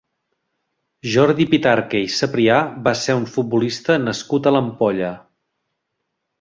Jordi Pitarque i Ceprià va ser un futbolista nascut a l'Ampolla.